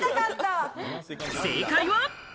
正解は。